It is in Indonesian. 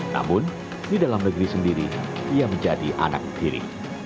namun di dalam negeri sendiri ia menjadi anak kiri